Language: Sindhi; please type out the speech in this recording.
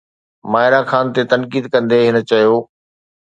ماهرا خان تي تنقيد ڪندي هن چيو